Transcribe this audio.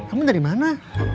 amin dari mana